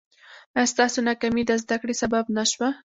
ایا ستاسو ناکامي د زده کړې سبب نه شوه؟